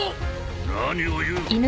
何を言う。